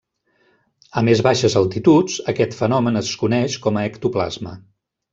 A més baixes altituds, aquest fenomen es coneix com a ectoplasma.